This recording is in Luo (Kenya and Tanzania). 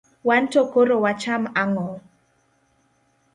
wanto koro wacham ang'o?